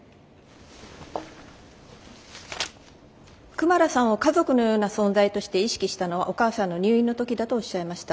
クマラさんを家族のような存在として意識したのはお母さんの入院の時だとおっしゃいました。